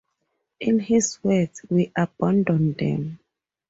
In his words "We abandoned them".